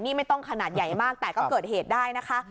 นี่ไม่ต้องขนาดใหญ่มากแต่ก็เกิดเหตุได้นะคะ